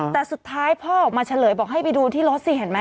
แต่สุดท้ายพ่อออกมาเฉลยบอกให้ไปดูที่รถสิเห็นไหม